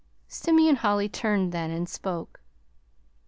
Simeon Holly turned then, and spoke.